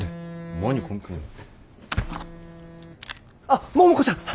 あっ桃子ちゃん。